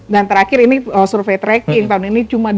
dan terakhir ini survei tracking tahun ini cuma dua puluh delapan